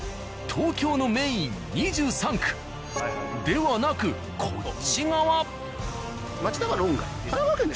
東京のメーン２３区ではなくこっち側。